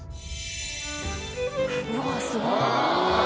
うわすごい。